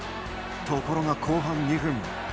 ところが、後半２分。